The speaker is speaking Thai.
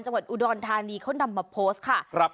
จังหวัดอุดรธานีเขานำมาโพสต์ค่ะ